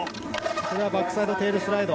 バックサイドテールスライド。